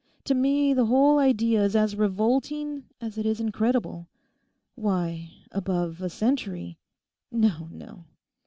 To me the whole idea is as revolting as it is incredible. Why, above a century—no, no!